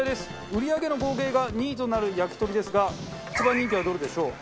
売り上げの合計が２位となる焼き鳥ですが一番人気はどれでしょう？